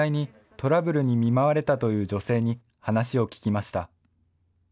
トラブルに見舞われたという女性に話を聞きました。